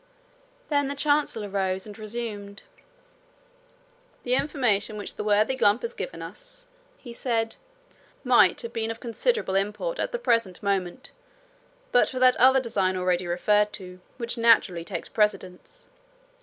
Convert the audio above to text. Then the Chancellor rose and resumed. 'The information which the worthy Glump has given us,' he said, 'might have been of considerable import at the present moment, but for that other design already referred to, which naturally takes precedence.